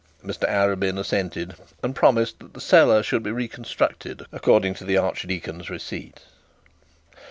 Mr Arabin assented, and promised that the cellar should be reconstructed according to the archdeacon's receipt.